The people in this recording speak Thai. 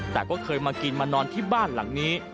แต่ก็เคยมากินมานอนที่บ้านหลังนี้